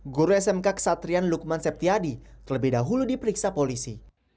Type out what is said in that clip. guru smk kesatrian lukman septiadi terlebih dahulu diperiksa polisi